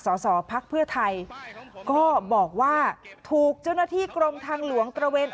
สอสอพักเพื่อไทยก็บอกว่าถูกเจ้าหน้าที่กรมทางหลวงตระเวน